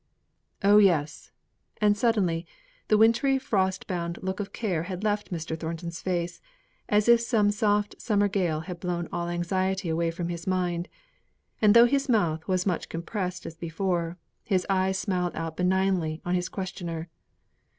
"Oh yes!" and suddenly the wintry frost bound look of care had left Mr. Thornton's face, as if some soft summer gale had blown all anxiety away from his mind; and though his mouth was as much compressed as before, his eyes smiled out benignly on his questioner.